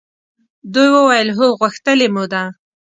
دوی وویل هو! غوښتلې مو ده.